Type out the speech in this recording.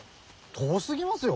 遠すぎますよ。